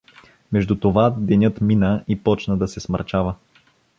Между това денят мина и почна да се смрачава.